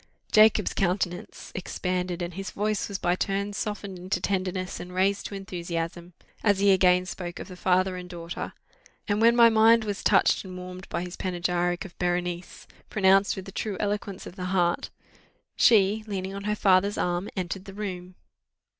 Jacob's countenance expanded, and his voice was by turns softened into tenderness, and raised to enthusiasm, as he again spoke of the father and daughter: and when my mind was touched and warmed by his panegyric of Berenice pronounced with the true eloquence of the heart she, leaning on her father's arm, entered the room.